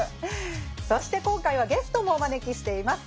そして今回はゲストもお招きしています。